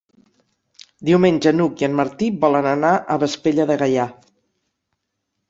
Diumenge n'Hug i en Martí volen anar a Vespella de Gaià.